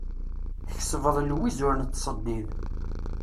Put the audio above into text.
Tkesbeḍ lwiz ur nettseddid.